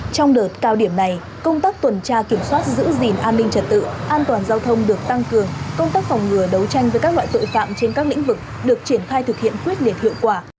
trong đợt cao điểm này công tác tuần tra kiểm soát giữ gìn an ninh trật tự an toàn giao thông được tăng cường công tác phòng ngừa đấu tranh với các loại tội phạm trên các lĩnh vực được triển khai thực hiện quyết liệt hiệu quả